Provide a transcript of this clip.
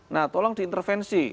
nah tolong diintervensi